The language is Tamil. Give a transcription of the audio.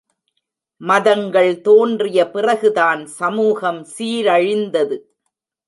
மதங்கள் தோன்றிய பிறகுதான் சமூகம் சீரழிந்தது.